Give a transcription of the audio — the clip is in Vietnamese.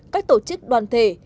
các tổ chức đoàn thể